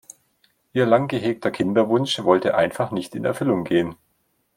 Ihr lang gehegter Kinderwunsch wollte einfach nicht in Erfüllung gehen.